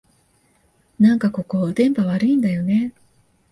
なんかここ、電波悪いんだよねえ